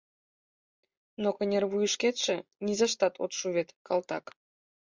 Но кынервуйышкетше низаштат от шу вет, калтак.